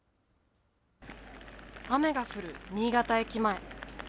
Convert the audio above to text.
雨が降る新潟駅前。